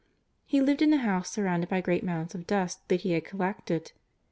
He lived in a house surrounded by great mounds of dust that he had collected.